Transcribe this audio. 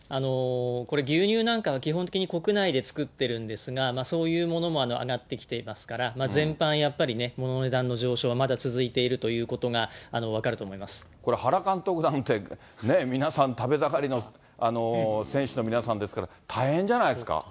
これ、牛乳なんかは基本的に国内で作ってるんですが、そういうものも上がってきていますから、全般、やっぱりものの値段の上昇はまだ続いているということが分かるとこれ、原監督なんて、皆さん、食べ盛りの選手の皆さんですから、大変じゃないですか。